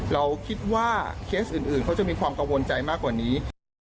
เราคิดว่าเคสอื่นเขาจะมีความกังวลใจมากกว่านี้